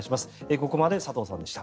ここまで佐藤さんでした。